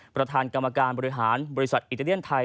ประธานกรรมการบริหารบริษัทอิตาเลียนไทย